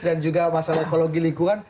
dan juga masalah ekologi lingkungan